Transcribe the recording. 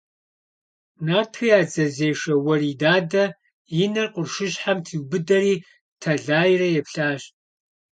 Нартхэ я дзэзешэ Уэрий Дадэ и нэр къуршыщхьэм триубыдэри тэлайрэ еплъащ.